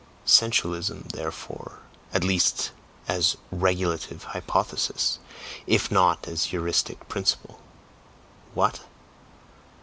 Sensualism, therefore, at least as regulative hypothesis, if not as heuristic principle. What?